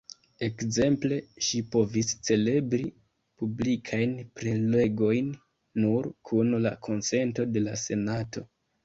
Ekzemple, ŝi povis celebri publikajn prelegojn nur kun la konsento de la Senato.